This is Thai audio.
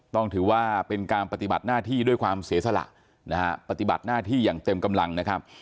ต้องถือว่าเป็นการปฏิบัติหน้าที่ด้วยความเสียสละนะฮะปฏิบัติหน้าที่อย่างเต็มกำลังนะครับ